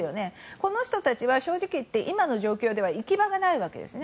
この人たちは正直言って今の状況では行き場がないわけですね。